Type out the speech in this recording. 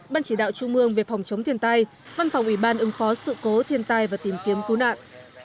ban chỉ đạo trung mương về phòng chống thiên tai văn phòng ủy ban ứng phó sự cố thiên tai và tìm kiếm cứu nạn